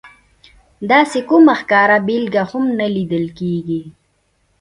داسې کومه ښکاره بېلګه هم نه لیدل کېږي.